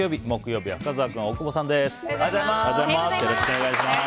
木曜日は深澤君、大久保さんです。